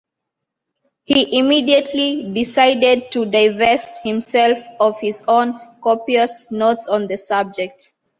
He immediately decided to divest himself of his own copious notes on the subject.